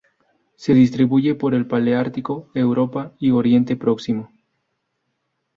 Se distribuyen por el paleártico: Europa y Oriente Próximo.